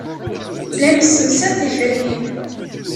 La nessemsad tiferyin.